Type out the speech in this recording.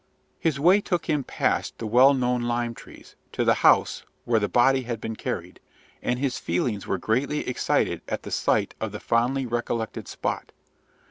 His way took him past the well known lime trees, to the house where the body had been carried; and his feelings were greatly excited at the sight of the fondly recollected spot.